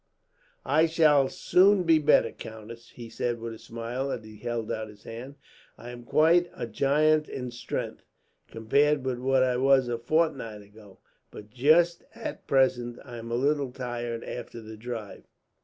"I shall soon be better, countess," he said with a smile, as he held out his hand. "I am quite a giant in strength, compared with what I was a fortnight ago; but just at present I am a little tired, after the drive."